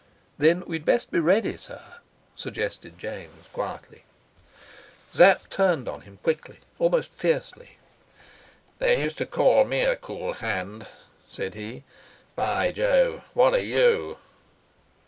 "Then we'd best be ready, sir," suggested James quietly. Sapt turned on him quickly, almost fiercely. "They used to call me a cool hand," said he. "By Jove, what are you?"